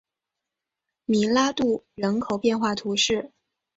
米拉杜人口变化图示